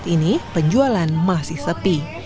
ini penjualan masih sepi